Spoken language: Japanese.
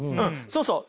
そうそう。